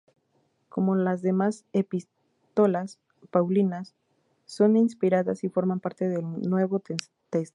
Como las demás epístolas paulinas, son inspiradas y forman parte del Nuevo Testamento.